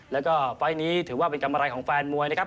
แล้วก็ไฟล์นี้ถือว่าเป็นกำไรของแฟนมวยนะครับ